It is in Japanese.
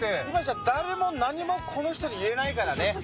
今じゃダレも何もこの人に言えないからね！